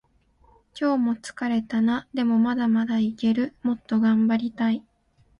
今日も疲れたな。でもまだまだいける。もっと頑張りたい。